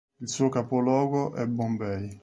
Il suo capoluogo è Bombay.